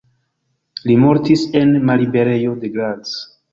Li mortis en malliberejo de Graz.